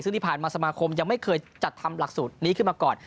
ซึ่งที่ผ่านมาสมาคมยังไม่เคยจัดทำหลักสูตรนี้ขึ้นมาก่อน